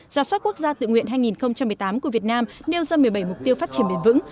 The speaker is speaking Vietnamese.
giả soát quốc gia tự nguyện hai nghìn một mươi tám của việt nam nêu ra một mươi bảy mục tiêu phát triển bền vững